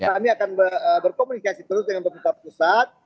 kami akan berkomunikasi terus dengan pemerintah pusat